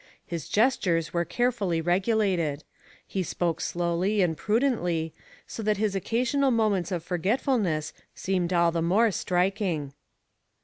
His gestures were carefully regulated; he spoke slowly and prudently, so that his occasional moments of forgetfulness seemed all the more striking.